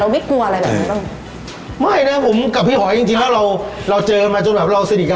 ไม่นะผมกับพี่หอยจริงถ้าเราเจอมาจบแบบเราสัดดีกัน